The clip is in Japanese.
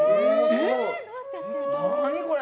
何これ！